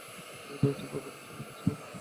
তোমার বন্ধু চলেই যাচ্ছিলো।